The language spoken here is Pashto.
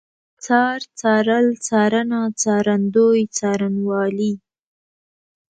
څار، څارل، څارنه، څارندوی، څارنوالي